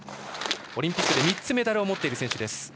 オリンピックで３つメダルを持っています。